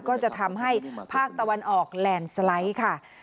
ก็จะทำให้ภาคตะวันออกแลนด์สไลด์ค่ะ